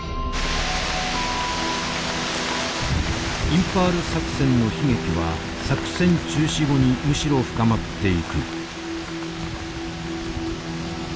インパール作戦の悲劇は作戦中止後にむしろ深まっていく。